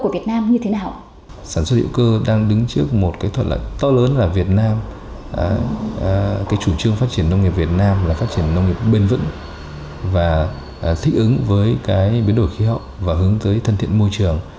với biến đổi khí hậu và hướng tới thân thiện môi trường